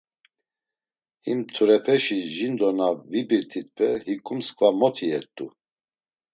Him mturepeşi jindo na vibirt̆itpe hiǩu msǩva mot iyert̆u.